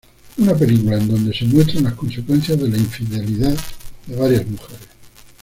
Una película en donde se muestran las consecuencias de la infidelidad de varias mujeres.